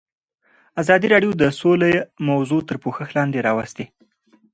ازادي راډیو د سوله موضوع تر پوښښ لاندې راوستې.